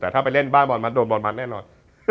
แต่ถ้าไปเล่นบ้านบอลมัดโดนบอลมัดแน่นอน